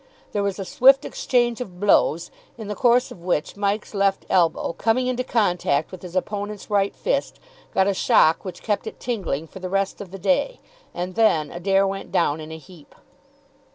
There was a swift exchange of blows, in the course of which Mike's left elbow, coming into contact with his opponent's right fist, got a shock which kept it tingling for the rest of the day; and then Adair went down in a heap.